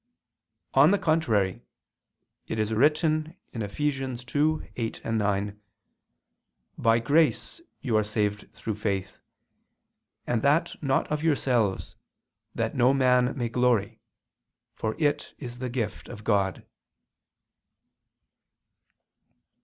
On the contrary, It is written (Eph. 2:8, 9): "By grace you are saved through faith, and that not of yourselves ... that no man may glory ... for it is the gift of God."